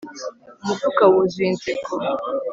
umufuka wuzuye inseko